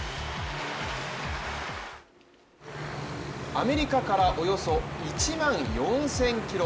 アメリカからおよそ１万４０００ｋｍ。